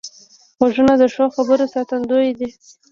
غوږونه د ښو خبرو ساتندوی دي